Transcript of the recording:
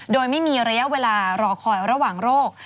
โดยไม่มีระยะเวลารอคอยระหว่างโรค